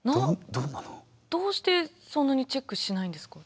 どうしてそんなにチェックしないんですか？